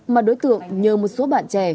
mà đối tượng nhờ một số bạn trẻ